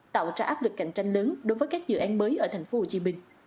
tạo ra áp lực cạnh tranh lớn đối với các dự án mới ở tp hcm